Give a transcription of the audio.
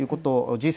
Ｇ７